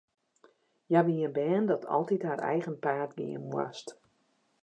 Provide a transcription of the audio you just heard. Hja wie in bern dat altyd har eigen paad gean moast.